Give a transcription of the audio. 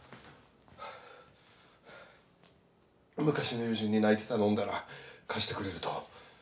昔の友人に泣いて頼んだら貸してくれると。